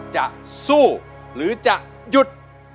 จะสู้หรือจะหยุด